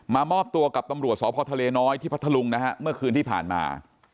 มอบตัวกับตำรวจสพทะเลน้อยที่พัทธลุงนะฮะเมื่อคืนที่ผ่านมา